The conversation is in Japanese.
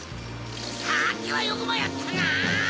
さっきはよくもやったな！